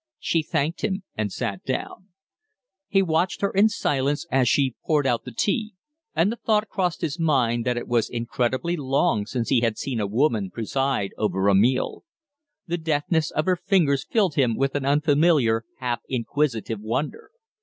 She thanked him and sat down. He watched her in silence as she poured out the tea, and the thought crossed his mind that it was incredibly long since he had seen a woman preside over a meal. The deftness of her fingers filled him with an unfamiliar, half inquisitive wonder.